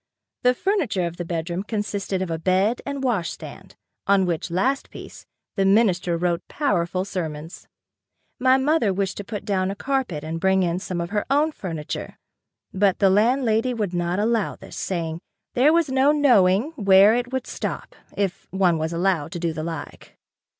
The furniture of the bedroom consisted of a bed and wash stand on which last piece, the minister wrote powerful sermons. My mother wished to put down a carpet and bring in some of her own furniture, but the landlady would not allow this, saying, "There was no knowing where it would stop, if one was allowed to do the like."